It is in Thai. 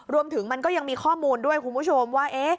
มันก็ยังมีข้อมูลด้วยคุณผู้ชมว่า